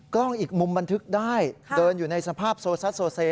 กล้องอีกมุมบันทึกได้เดินอยู่ในสภาพโซซัสโซเซ